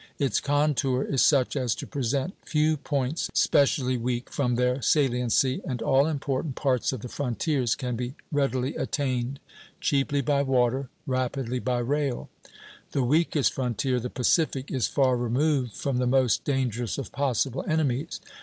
Its contour is such as to present few points specially weak from their saliency, and all important parts of the frontiers can be readily attained, cheaply by water, rapidly by rail. The weakest frontier, the Pacific, is far removed from the most dangerous of possible enemies.